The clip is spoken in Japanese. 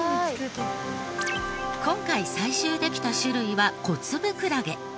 今回採集できた種類はコツブクラゲ。